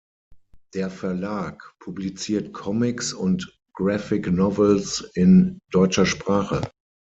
Der Verlag publiziert Comics und Graphic Novels in deutscher Sprache.